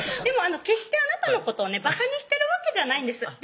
「でも決してあなたのことをねバカにしてるわけじゃないんです」